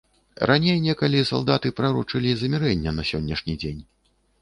Раней некалі салдаты прарочылі замірэнне на сённяшні дзень.